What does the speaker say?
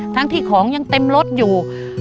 ทั้งที่ของยังเต็มรถอยู่